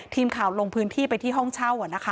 ทีมข่าวลงพื้นที่ไปที่ห้องเช่า